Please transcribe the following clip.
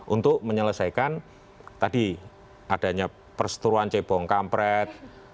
untuk menyelesaikan tadi adanya perseteruan cebong kampret